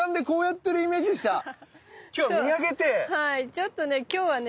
ちょっとね今日はね